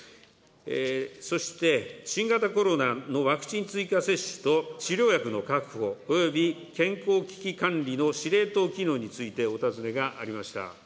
そして、新型コロナのワクチン追加接種と治療薬の確保および健康危機管理の司令塔機能についてお尋ねがありました。